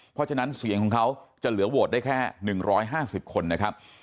เพราะฉะนั้นเสียงของเขาจะเหลือโหวตได้แค่๑๕๐คนนะครับ